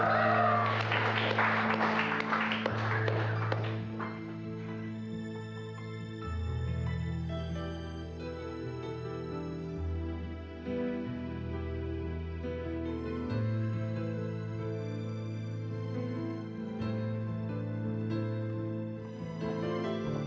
assalamualaikum warahmatullahi wabarakatuh